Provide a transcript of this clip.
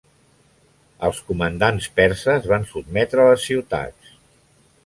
Els comandants perses van sotmetre les ciutats.